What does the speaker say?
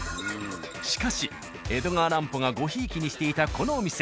しかし江戸川乱歩がごひいきにしていたこのお店。